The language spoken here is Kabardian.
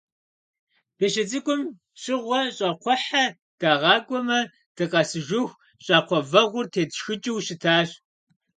Дыщыцӏыкӏум щыгъуэ щӏакхъуэхьэ дагъакӏуамэ, дыкъэсыжыху, щӏакхъуэ вэгъур тетшхыкӏыу щытащ.